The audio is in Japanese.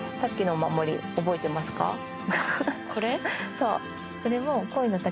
そう。